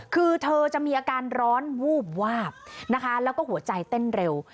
คือเธอจะมีอาการร้อนวูบวาบนะคะแล้วก็หัวใจเต้นเร็ว